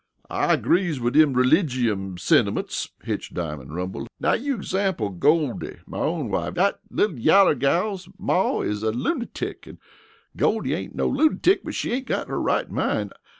"I agrees wid dem religium sentiments," Hitch Diamond rumbled. "Now you example Goldie, my own wife. Dat little yeller gal's maw is a lunatic, an' Goldie ain't no lunatic, but she ain't got her right mind.